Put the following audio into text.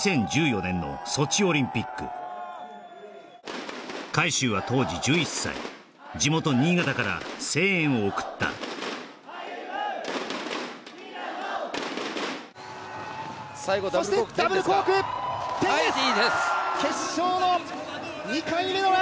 ２０１４年のソチオリンピック海祝は当時１１歳地元新潟から声援を送った歩夢！